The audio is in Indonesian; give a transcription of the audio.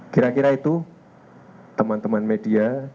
kira kira itu teman teman media